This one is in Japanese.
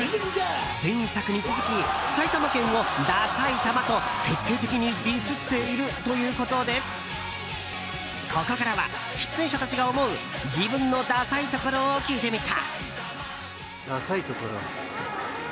前作に続き、埼玉県をださいたまと徹底的にディスっているということでここからは出演者たちが思う自分のダサいところを聞いてみた。